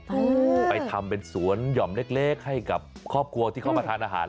ไปทำเป็นสวนหย่อมเล็กเล็กให้กับครอบครัวที่เข้ามาทานอาหาร